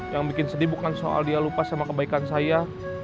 yang bikin sedih bukan soal dia lupa sama kebaikan saya